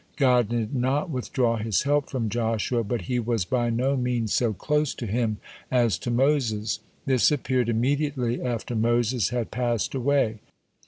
(6) God did not withdraw His help from Joshua, but He was by no means so close to him as to Moses. This appeared immediately after Moses had passed away.